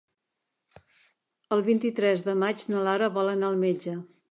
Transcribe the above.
El vint-i-tres de maig na Lara vol anar al metge.